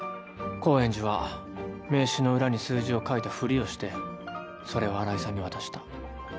高円寺は名刺の裏に数字を書いたふりをしてそれを新井さんに渡した。